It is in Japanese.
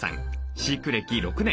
飼育歴６年。